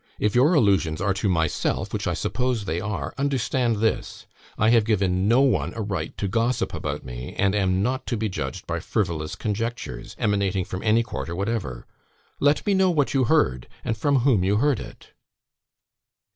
If your allusions are to myself, which I suppose they are, understand this, I have given no one a right to gossip about me, and am not to be judged by frivolous conjectures, emanating from any quarter whatever. Let me know what you heard, and from whom you heard it."